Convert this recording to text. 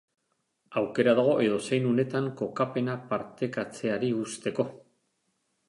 Aukera dago edozein unetan kokapena partekatzeari uzteko.